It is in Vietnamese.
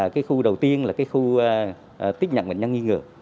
cái khu đầu tiên là cái khu tiếp nhận bệnh nhân nghi ngờ